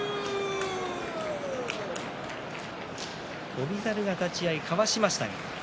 翔猿が立ち合い、かわしました。